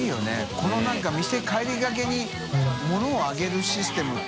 この何か店帰りがけに發里あげるシステムって。